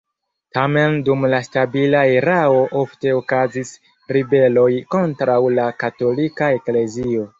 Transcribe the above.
Tamen dum la stabila erao ofte okazis ribeloj kontraŭ la katolika eklezio.